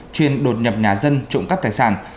chuyên đột nhập nhà dân trụng cấp tài sản